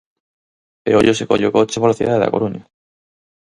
E ollo se colle o coche pola cidade da Coruña.